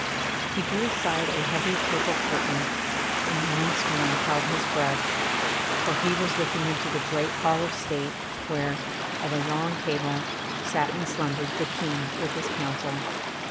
He drew aside a heavy purple curtain, and once more held his breath; for he was looking into the great Hall of State where, at a long table, sat and slumbered the King with his Council.